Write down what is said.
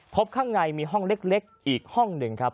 ข้างในมีห้องเล็กอีกห้องหนึ่งครับ